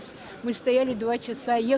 kami berada di kharkiv selama dua jam